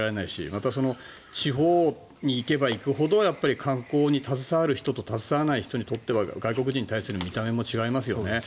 また地方に行けば行くほどやっぱり、観光に携わる人と携わらない人とでは外国人に対する見た目も違いますよね。